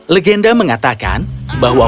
legenda mengatakan bahwa